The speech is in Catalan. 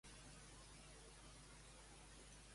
Com hi era la il·luminació?